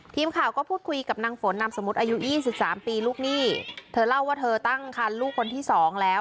ทีมข่าวก็พูดคุยกับนางฝนนามสมมุติอายุ๒๓ปีลูกหนี้เธอเล่าว่าเธอตั้งคันลูกคนที่สองแล้ว